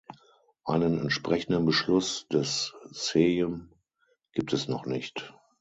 Einen entsprechenden Beschluss des Sejm gibt es noch nicht.